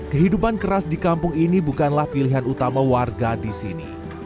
kehidupan keras di kampung ini bukanlah pilihan utama warga di sini